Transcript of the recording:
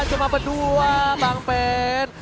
cuma berdua bang pen